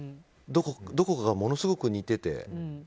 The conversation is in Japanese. どこかがものすごく似てて。